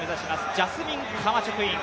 ジャスミン・カマチョクイン。